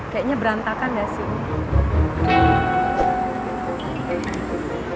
kayaknya berantakan ya sih